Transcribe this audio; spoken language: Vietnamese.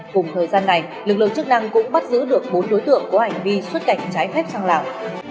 cùng thời gian này lực lượng chức năng cũng bắt giữ được bốn đối tượng có hành vi xuất cảnh trái phép sang lào